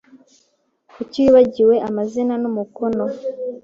Kuki wibagiwe Amazina n’umukono